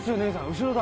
後ろだ！」